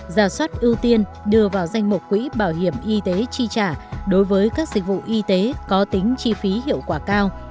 giả soát ưu tiên đưa vào danh mục quỹ bảo hiểm y tế chi trả đối với các dịch vụ y tế có tính chi phí hiệu quả cao